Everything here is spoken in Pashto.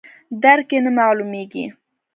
درک یې نه معلومیږي.